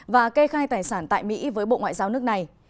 và kê khai tài sản tại mỹ với bộ ngoại giao nước này